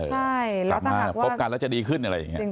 กลับมาพบกันแล้วจะดีขึ้นอะไรอย่างนี้